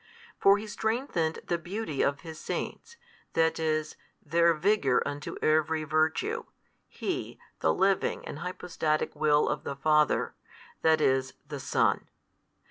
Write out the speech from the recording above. For He strengthened the beauty of His saints, that is, their vigour unto every virtue, He, the Living and Hypostatic Will of the Father, that is the SON.